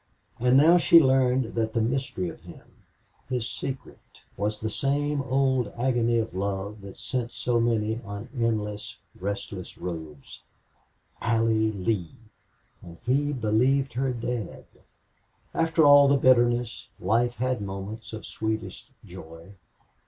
And now she learned that the mystery of him his secret was the same old agony of love that sent so many on endless, restless roads Allie Lee! and he believed her dead! After all the bitterness, life had moments of sweetest joy.